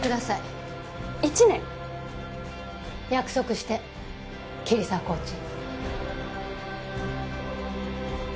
約束して桐沢コーチ。